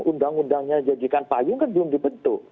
undang undangnya janjikan payung kan belum dibentuk